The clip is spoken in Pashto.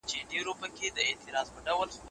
هیڅ نجلۍ باید د شخړې قرباني نه سي.